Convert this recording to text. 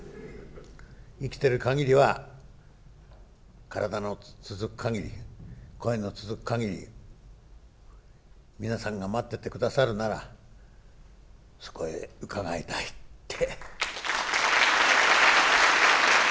生きてる限りは体の続く限り声の続く限り皆さんが待っててくださるならそこへ伺いたいって。